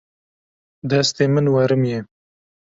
Destê min werimiye.